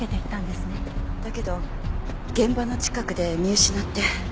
だけど現場の近くで見失って。